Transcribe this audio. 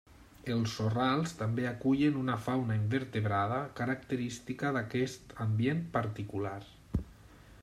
Els sorrals també acullen una fauna invertebrada característica d'aquest ambient particular.